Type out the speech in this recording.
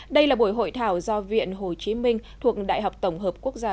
đây là buổi hội thảo do viện hồ chí minh thuộc đại học tổng hợp quốc gia